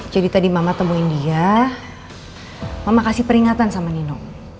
jadi tadi mama temuin dia mama kasih peringatan sama nino